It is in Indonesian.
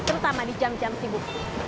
terutama di jam jam sibuk